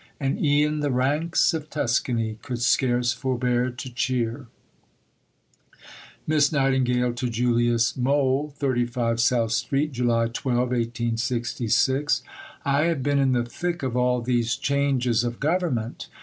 "And e'en the ranks of Tuscany could scarce forbear to cheer." ... (Miss Nightingale to Julius Mohl.) 35 SOUTH STREET, July 12 . I have been in the thick of all these changes of Government.